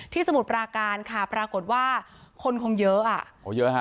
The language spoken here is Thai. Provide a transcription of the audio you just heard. ที่สมุดปราการค่ะปรากฏว่าคนคงเยอะอ่ะ